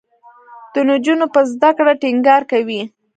د نجونو په زده کړه ټینګار کوي.